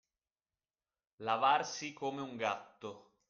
Lavarsi come un gatto.